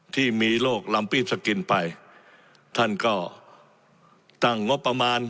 ที่มีโรคลำปีบสกินไปท่านก็ตั้งงบประมาณ